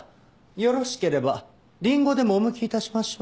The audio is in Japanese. よろしければリンゴでもおむき致しましょうか？